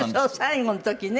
最後の時ね。